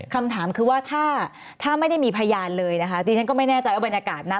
คำถามคือว่าถ้าไม่ได้มีพยานเลยนะคะดิฉันก็ไม่แน่ใจว่าบรรยากาศนั้น